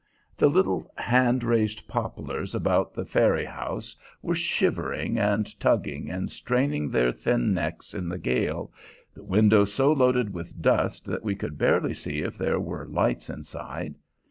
The little hand raised poplars about the ferry house were shivering and tugging and straining their thin necks in the gale, the windows so loaded with dust that we could barely see if there were lights inside.